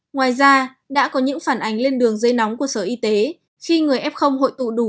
ngoài ra đã có những phản ánh lên đường dây nóng của sở y tế khi người f hội tụ đủ